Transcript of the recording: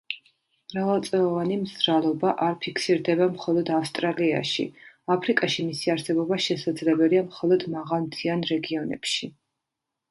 მრავალწლოვანი მზრალობა არ ფიქსირდება მხოლოდ ავსტრალიაში; აფრიკაში მისი არსებობა შესაძლებელია მხოლოდ მაღალმთიან რეგიონებში.